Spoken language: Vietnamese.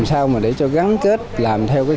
xây dựng một mươi bốn hectare nhà lưới nhà kính thủy canh